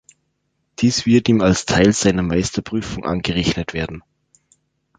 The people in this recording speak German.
Dies wird ihm als Teil seiner Meisterprüfung angerechnet werden.